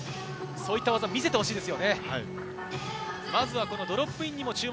そういった技を見せてほしいです